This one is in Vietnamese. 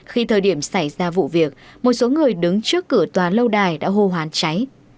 khi thời điểm xảy ra vụ việc một số người đứng trước cửa tòa lâu đài đã hô hoán cháy